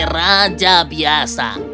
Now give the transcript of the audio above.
seperti raja biasa